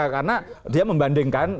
karena dia membandingkan